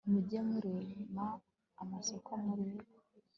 muge murema amasoko murebe